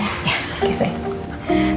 ya oke sayang